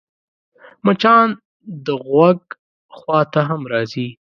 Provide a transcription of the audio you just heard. مچان د غوږ خوا ته هم راځي